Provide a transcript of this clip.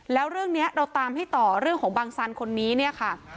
แล้วเรื่องนี้เราตามให้ต่อเรื่องของบังสันคนนี้เนี่ยค่ะ